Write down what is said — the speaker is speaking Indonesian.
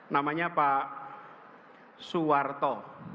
namanya pak suwarto